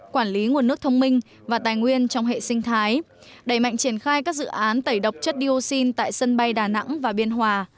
quản lý nguồn nước thông minh và tài nguyên trong hệ sinh thái đẩy mạnh triển khai các dự án tẩy độc chất dioxin tại sân bay đà nẵng và biên hòa